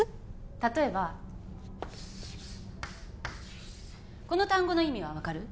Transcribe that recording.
例えばこの単語の意味は分かる？